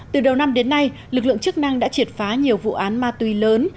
từ đầu năm đến nay lực lượng chức năng đã triệt phá nhiều vụ án ma túy lớn